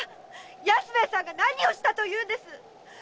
安兵衛さんが何をしたというんです